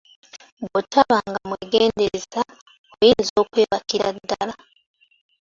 Bw'otabanga mwegendereza oyinza okwebakira ddala.